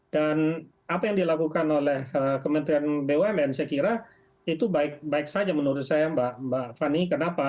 dan apa yang dilakukan oleh kementerian bumn saya kira itu baik saja menurut saya mbak fani kenapa